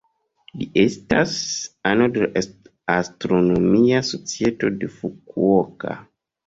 Li estas ano de la Astronomia Societo de Fukuoka.